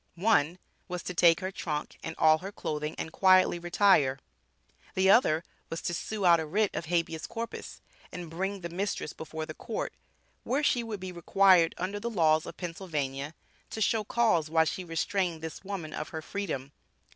One was to take her trunk and all her clothing and quietly retire." The other was to "sue out a writ of habeas corpus; and bring the mistress before the Court, where she would be required, under the laws of Pennsylvania, to show cause why she restrained this woman of her freedom."